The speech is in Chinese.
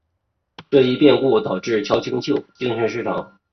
这一变故导致乔清秀精神失常。